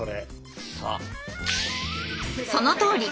そのとおり！